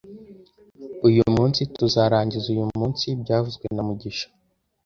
Uyu munsi tuzarangiza uyu munsi byavuzwe na mugisha